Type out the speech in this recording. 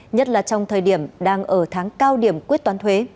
nhất là trong thời điểm đang ở tháng cao điểm quyết toán thuế